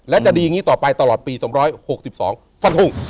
และจะดีอย่างนี้ต่อไปตลอดปี๒๖๒ฟันหุ่ง